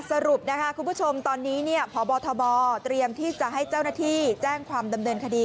สรุปนะคะคุณผู้ชมตอนนี้พบทบเตรียมที่จะให้เจ้าหน้าที่แจ้งความดำเนินคดี